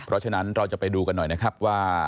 เพราะฉะนั้นเราจะไปดูกันหน่อยนะครับว่า